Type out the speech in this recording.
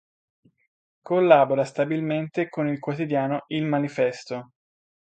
Collabora stabilmente con il quotidiano Il Manifesto.